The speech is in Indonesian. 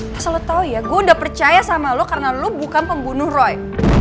terus lo tau ya gue udah percaya sama lo karena lu bukan pembunuh roy